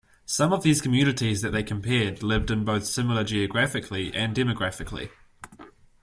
Some of these communities that they compared lived in both similar geographically and demographically.